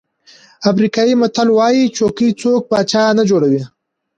افریقایي متل وایي چوکۍ څوک پاچا نه جوړوي.